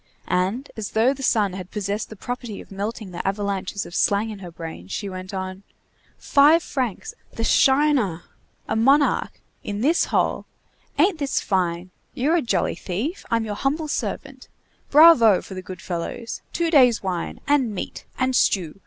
And, as though the sun had possessed the property of melting the avalanches of slang in her brain, she went on:— "Five francs! the shiner! a monarch! in this hole! Ain't this fine! You're a jolly thief! I'm your humble servant! Bravo for the good fellows! Two days' wine! and meat! and stew!